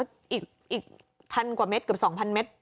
อีกพันกว่าเม็ดเกือบ๒๐๐เมตร